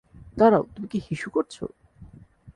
দাঁড়াও, তুমি কি হিসু করছ?